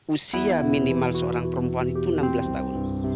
usia minimal seorang perempuan itu enam belas tahun